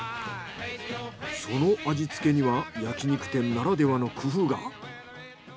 その味付けには焼き肉店ならではの工夫が。